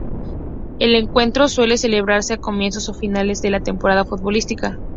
El encuentro suele celebrarse a comienzos o finales de la temporada futbolística.